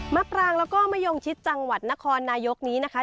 ปรางแล้วก็มะยงชิดจังหวัดนครนายกนี้นะคะ